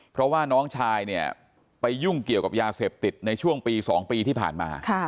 เพราะว่าน้องชายเนี่ยไปยุ่งเกี่ยวกับยาเสพติดในช่วงปี๒ปีที่ผ่านมา